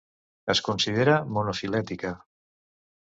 Es considera monofilètica.